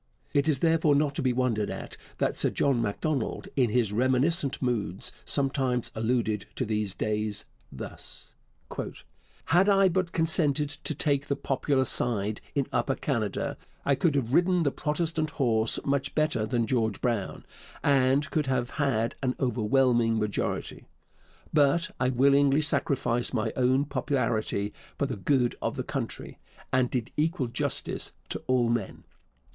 It is therefore not to be wondered at that Sir John Macdonald in his reminiscent moods sometimes alluded to these days, thus: Had I but consented to take the popular side in Upper Canada, I could have ridden the Protestant horse much better than George Brown, and could have had an overwhelming majority. But I willingly sacrificed my own popularity for the good of the country, and did equal justice to all men.